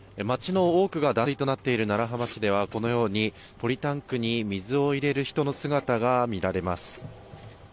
町の多くが断水となっている楢葉町ではこのようにポリタンクに水を入れる人の姿が見られます。